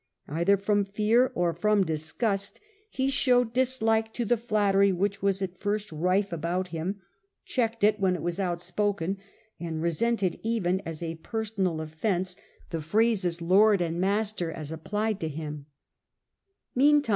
Either from fear or from disgust he showed dislike to the flattery which was at first rife about him, checked it when it was outspoken, and resented even as a personal offence the phrases 48 The Earlier Empire.